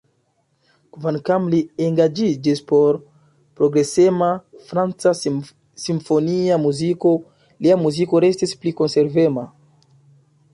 Kvankam li engaĝiĝis por progresema franca simfonia muziko, lia muziko restis pli konservema.